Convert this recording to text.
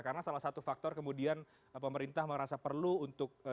karena salah satu faktor kemudian pemerintah merasa perlu untuk tetap berhenti